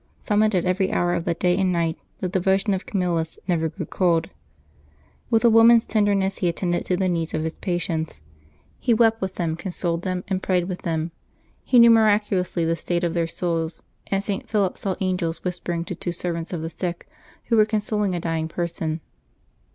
Summoned at every hour of the day and night, the devotion of Camillus never grew cold. With a woman's tenderness he attended to the needs of his patients. He wept with them, consoled them, and prayed with them. He knew miraculously the state of their souls; and St. Philip saw angels whispering to two Servants of the Sick who were consoling a dying person.